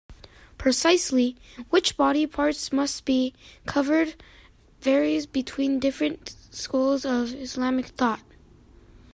Precisely which body parts must be covered varies between different schools of Islamic thought.